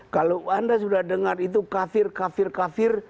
kalau anda sudah dengar itu kafir kafir kafir